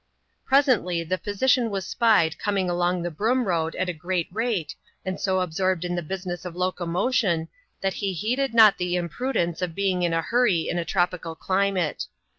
Presently the physician was spied coming along the Broom Road at a great rate, and so absorbed in the business of loco motion, that he heeded not the imprudence of being in a hurry in a tropical climate.